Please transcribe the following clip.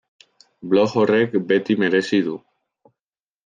Blog horrek beti merezi du.